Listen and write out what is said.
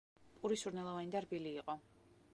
პური სურნელოვანი და რბილი იყო.